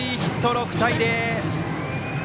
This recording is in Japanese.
６対０！